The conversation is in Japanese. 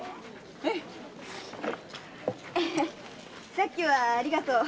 さっきはありがと。